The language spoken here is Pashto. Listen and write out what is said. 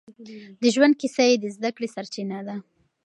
د ژوند کيسه يې د زده کړې سرچينه ده.